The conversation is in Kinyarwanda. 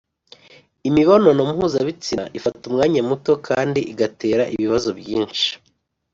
imibonano mpuzabitsina ifata umwanya muto kandi igatera ibibazo byinshi